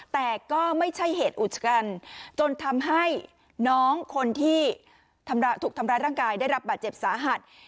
แต่ก็ไม่ใช่เหตุอุจกันจนทำให้น้องคนที่ถูกทำร้ายร่างกายได้รับบาดเจ็บสาหัส